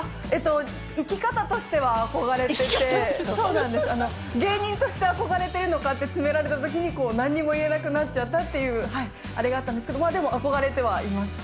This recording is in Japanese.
生き方としては憧れていて、芸人として憧れているのかと詰められた時、何も言えなくなっちゃったっていうのがあったんですけど、でも憧れてはいます。